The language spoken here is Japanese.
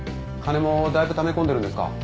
金もだいぶため込んでるんですか？